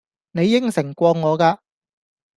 你應承過我㗎